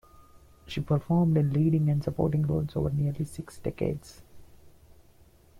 She performed in leading and supporting roles over nearly six decades.